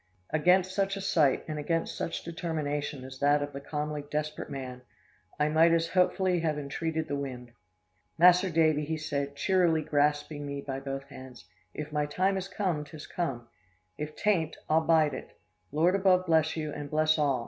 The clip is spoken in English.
"Against such a sight, and against such determination as that of the calmly desperate man, I might as hopefully have entreated the wind. 'Mas'r Davy,' he said, cheerily grasping me by both hands, 'if my time is come, 'tis come. If 'tain't, I'll bide it. Lord above bless you, and bless all!